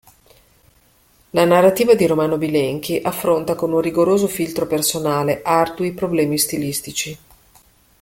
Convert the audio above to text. La narrativa di Romano Bilenchi affronta con un rigoroso filtro personale ardui problemi stilistici.